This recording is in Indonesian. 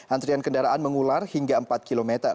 antrian kendaraan mengular hingga empat km